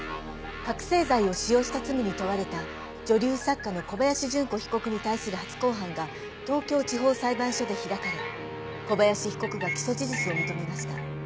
覚せい剤を使用した罪に問われた女流作家の小林順子被告に対する初公判が東京地方裁判所で開かれ小林被告が起訴事実を認めました。